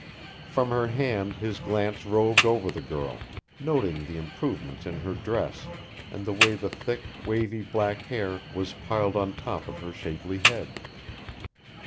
From her hand his glance roved over the girl, noting the improvements in her dress, and the way the thick, wavy black hair was piled on top of her shapely head.